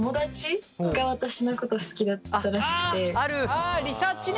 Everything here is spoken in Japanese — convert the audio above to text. あリサーチね。